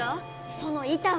その板は。